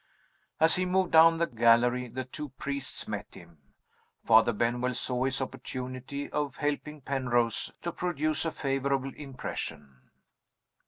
As he moved down the gallery, the two priests met him. Father Benwell saw his opportunity of helping Penrose to produce a favorable impression.